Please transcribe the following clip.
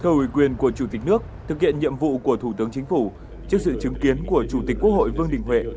cầu ủy quyền của chủ tịch nước thực hiện nhiệm vụ của thủ tướng chính phủ trước sự chứng kiến của chủ tịch quốc hội vương đình huệ